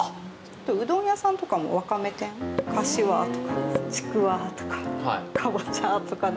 うどん屋さんとかもワカメ天かしわとか、ちくわとかカボチャとかの。